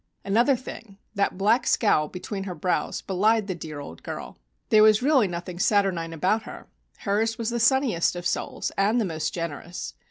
Another thing: that black scowl between her brows belied the dear old girl. There was really nothing saturnine about her. Hers was the sunniest of souls, and the most generous.